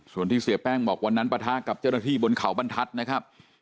ส่วนที่เสียแป้งบอกวันนั้นปะทะกับเจ้าหน้าที่บนเขาบรรทัศน์นะครับ